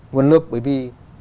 nguồn lực bởi vì